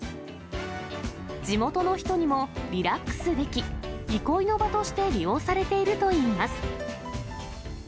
地元の人にもリラックスでき、憩いの場として利用されているといいます。